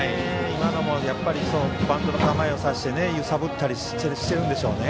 今のもバントの構えをさせて揺さぶったりしているんでしょうね。